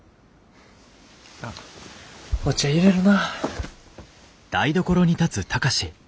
あっお茶いれるな。